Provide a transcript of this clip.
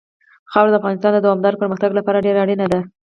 خاوره د افغانستان د دوامداره پرمختګ لپاره ډېر اړین دي.